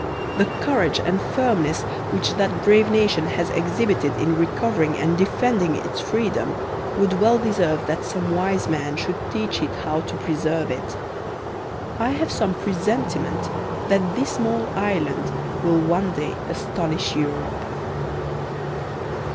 The courage and firmness which that brave nation has exhibited in recov ering and defending its freedom would well deserve that some wise man should teach it how to preserve it. I have some presentiment that this small island will one day astonish Europe.